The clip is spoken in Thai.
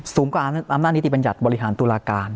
สูงกว่าอำนาจนิติบัญญัติบริหารตุลาการ